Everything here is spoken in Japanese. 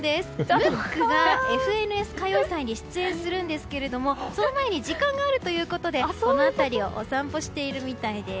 ムックが「ＦＮＳ歌謡祭」に出演するんですがその前に時間があるということでこの辺りをお散歩しているみたいです。